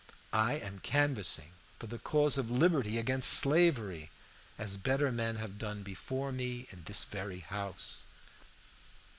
I am canvassing for the cause of liberty against slavery, as better men have done before me in this very house.